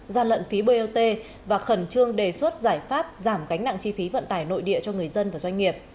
gian lận phí bot và khẩn trương đề xuất giải pháp giảm gánh nặng chi phí vận tải nội địa cho người dân và doanh nghiệp